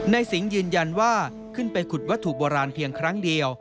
สิงห์ยืนยันว่าขึ้นไปขุดวัตถุโบราณเพียงครั้งเดียว